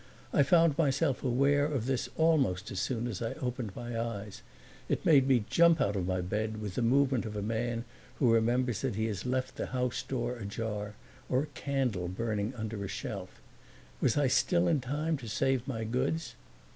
I found myself aware of this almost as soon as I opened my eyes; it made me jump out of my bed with the movement of a man who remembers that he has left the house door ajar or a candle burning under a shelf. Was I still in time to save my goods?